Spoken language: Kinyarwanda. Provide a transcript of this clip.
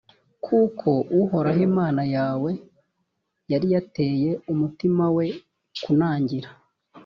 kuko uhoraho imana yawe yari yateye umutima we kunangira